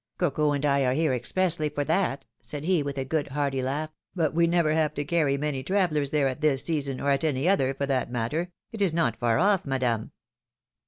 Coco and I are here expressly for that,^^ said he, with a good, hearty laugh ; but we never have to carry many travellers there at this season, or at any other, for that matter. It is not far off, Madame.